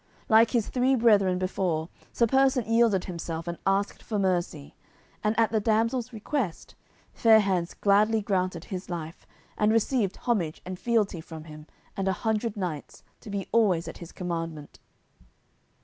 Like his three brethren before, Sir Persant yielded himself and asked for mercy, and at the damsel's request Fair hands gladly granted his life, and received homage and fealty from him and a hundred knights, to be always at his commandment.